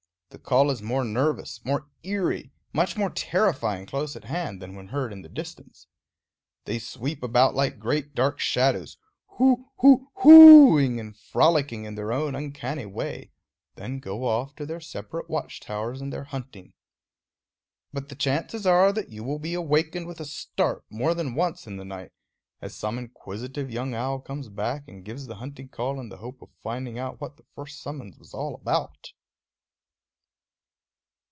The call is more nervous, more eerie, much more terrifying close at hand than when heard in the distance. They sweep about like great dark shadows, hoo hoo hooing and frolicking in their own uncanny way; then go off to their separate watch towers and their hunting. But the chances are that you will be awakened with a start more than once in the night, as some inquisitive young owl comes back and gives the hunting call in the hope of finding out what the first summons was all about.